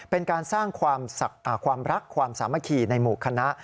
เป็นการสร้างความรักความสามัคคีในหมู่คณะ